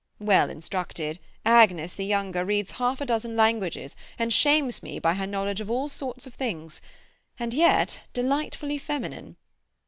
Well instructed. Agnes, the younger, reads half a dozen languages, and shames me by her knowledge of all sorts of things. And yet delightfully feminine.